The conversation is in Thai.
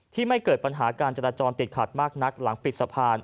ไม่เกิดปัญหาการจราจรติดขัดมากนักหลังปิดสะพาน